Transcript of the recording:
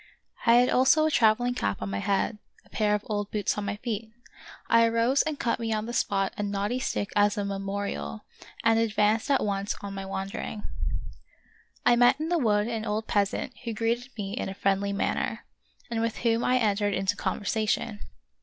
I had also a traveling cap on my head, a pair of old boots on my feet. I arose and cut me on the spot a knotty stick as a memorial, and advanced at once on my wandering. I met in the wood an old peasant who greeted me in a friendly manner, and with whom I entered into conversation.